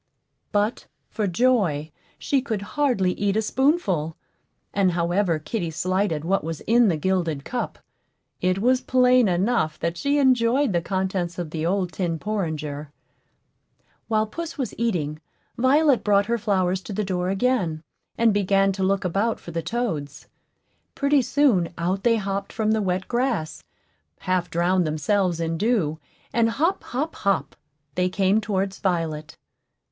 But, for joy, she could hardly eat a spoonful; and however kitty slighted what was in the gilded cup, it was plain enough that she enjoyed the contents of the old tin porringer. While puss was eating, Violet brought her flowers to the door again, and began to look about for the toads. Pretty soon out they hopped from the wet grass, half drowned themselves in dew, and hop, hop, hop they came towards Violet.